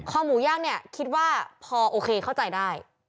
หมูย่างเนี่ยคิดว่าพอโอเคเข้าใจได้